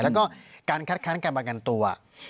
แล้วก็การคัดค้านการประกันตัว